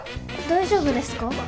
大丈夫ですか？